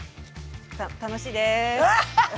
た楽しいです。